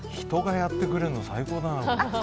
人がやってくれるの最高だな。